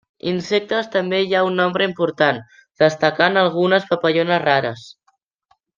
Insectes també hi ha un nombre important, destacant algunes papallones rares.